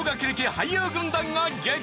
俳優軍団が激突